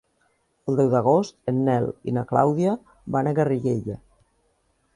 El deu d'agost en Nel i na Clàudia van a Garriguella.